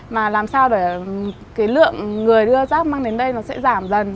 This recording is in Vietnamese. mà làm sao để cái lượng người đưa rác mang đến đây nó sẽ giảm dần